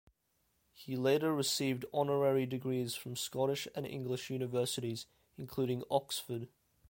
He later received honorary degrees from Scottish and English universities, including Oxford.